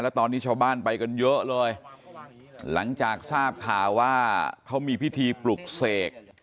แล้วตอนนี้ชาวบ้านไปกันเยอะเลยหลังจากทราบข่าวว่าเขามีพิธีปลุกเสก